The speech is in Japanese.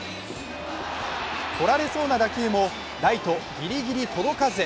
とられそうな打球もライト、ギリギリ届かず。